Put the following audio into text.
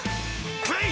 プレイ！